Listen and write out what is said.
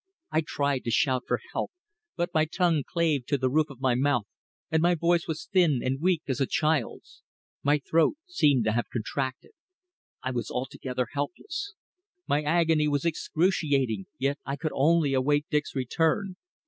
I tried to shout for help, but my tongue clave to the roof of my mouth, and my voice was thin and weak as a child's. My throat seemed to have contracted. I was altogether helpless. My agony was excruciating, yet I could only await Dick's return.